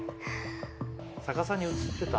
逆さに映ってた？